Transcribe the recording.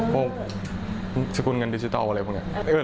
พวกสกุลเงินดิจิทัลอะไรพวกนี้